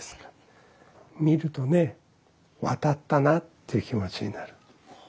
見るとね渡ったなという気持ちになる。